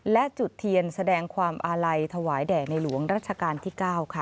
และจุดเทียนแสดงความอาลัยถวายแด่ในหลวงรัชกาลที่๙ค่ะ